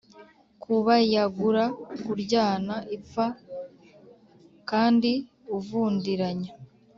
kubayagura: kuryana ipfa kandi uvundiranya